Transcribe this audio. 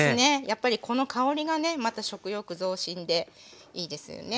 やっぱりこの香りがねまた食欲増進でいいですよね。